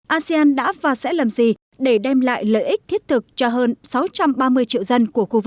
asean đã và sẽ làm gì để đem lại lợi ích thiết thực cho hơn sáu trăm ba mươi triệu dân